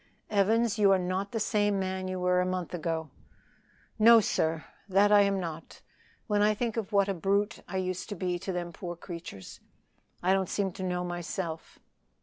Evans, you are not the same man you were a month ago." "No, sir, that I am not. When I think of what a brute I used to be to them poor creatures, I don't seem to know myself."